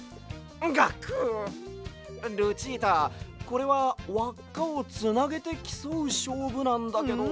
これはわっかをつなげてきそうしょうぶなんだけど。